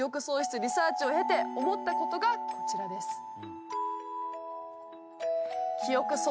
喪失リサーチを経て思ったことがこちらです。